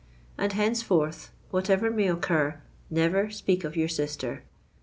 And henceforth—whatever may occur, never speak of your sister.